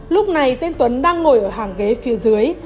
lúc này tên tuấn đang ngồi ở hàng ghế phía dưới